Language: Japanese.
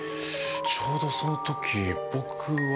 ちょうどその時僕は。